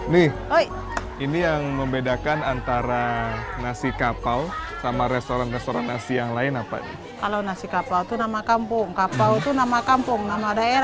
kukusnya di bukit tinggi kupasatengah dan kukusnya di bukit tinggi